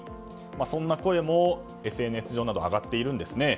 そんな声もＳＮＳ上では上がっているんですね。